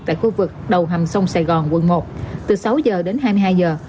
tại khu vực đầu hầm sông sài gòn quận một từ sáu giờ đến hai mươi hai giờ